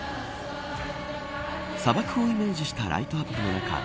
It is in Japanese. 砂漠をイメージしたライトアップの中